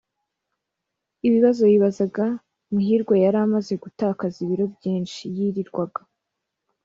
ibibazo yibazaga, muhirwa yari amaze gutakaza ibiro byinshi. yirirwaga